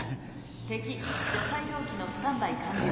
「敵除細動器のスタンバイ完了。